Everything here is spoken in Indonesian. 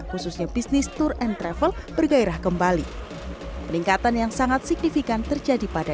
khususnya bisnis tour and travel bergairah kembali peningkatan yang sangat signifikan terjadi pada